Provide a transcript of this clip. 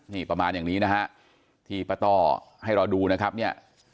นี่ประมาณอย่างนี้นะฮะที่ป้าต้อให้เราดูนะครับเนี่ย